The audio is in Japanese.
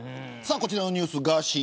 こちらのニュースガーシー